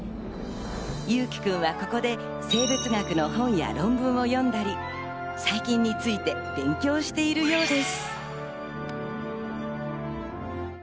侑輝くんはここで生物学の本や論文を読んだり、細菌について勉強しているようです。